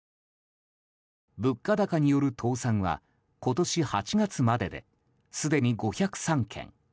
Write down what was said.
物価高による倒産は今年８月までですでに５０３件。